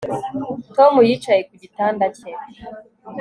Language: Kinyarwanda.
Tom yicaye ku gitanda cye